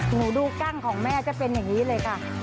หนูดูกล้างของแม่จะเป็นอย่างนี้เลยค่ะ